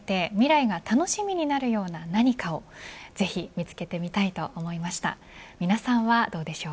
視点を変えて未来が楽しみになるような何かをぜひ見つけてみたいと思いました。